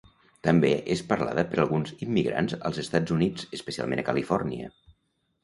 També és parlada per alguns immigrants als Estats Units, especialment a Califòrnia.